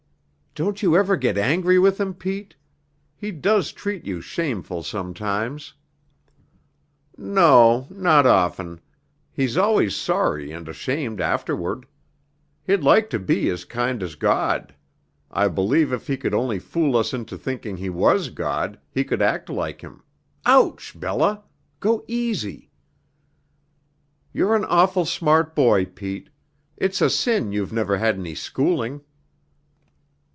"Don't you ever get angry with him, Pete? He does treat you shameful sometimes." "N no. Not often. He's always sorry and ashamed afterward. He'd like to be as kind as God. I believe if he could only fool us into thinking he was God, he could act like Him ouch, Bella! Go easy." "You're an awful smart boy, Pete. It's a sin you've never had any schooling."